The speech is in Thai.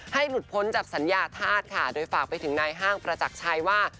หลุดพ้นจากสัญญาธาตุค่ะโดยฝากไปถึงนายห้างประจักรชัยว่า